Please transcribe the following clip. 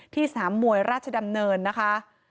สนามมวยราชดำเนินนะคะ